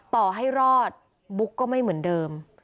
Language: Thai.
ต่อให้รอดบุ๊กก็ไม่เหมือนเดิม